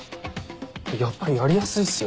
やっぱりやりやすいっすよ